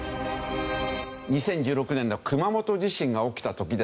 ２０１６年の熊本地震が起きた時ですね。